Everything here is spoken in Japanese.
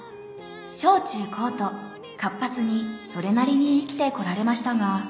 小中高と活発にそれなりに生きてこられましたが。